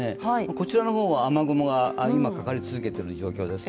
こちらのほうは雨雲が今、かかり続けている状況です。